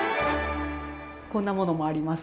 こんなものもあります。